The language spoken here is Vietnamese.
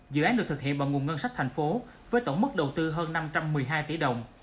dự án được thực hiện bằng nguồn ngân sách thành phố với tổng mức đầu tư hơn năm trăm một mươi hai tỷ đồng